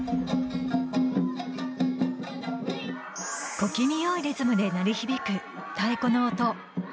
小気味良いリズムで鳴り響く太鼓の音